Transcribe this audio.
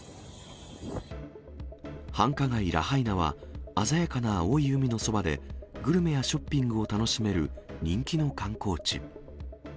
繁華街、ラハイナは鮮やかな青い海のそばで、グルメやショッピングを楽しめる人気の観光地。